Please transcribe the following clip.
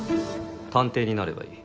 探偵になればいい。